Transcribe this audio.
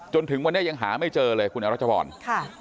จนถึงวันนี้ยังหาไม่เจอเลยคุณอรัชพรค่ะ